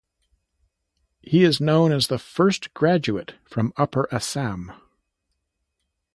He is known as the first graduate from upper Assam.